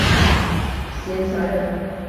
sen sari